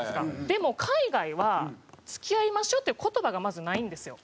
でも海外は「付き合いましょう」っていう言葉がまずないんですよ。